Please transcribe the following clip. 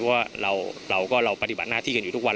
เพราะว่าเราก็เราปฏิบัติหน้าที่กันอยู่ทุกวัน